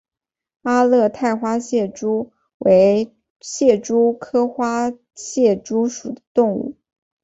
阿勒泰花蟹蛛为蟹蛛科花蟹蛛属的动物。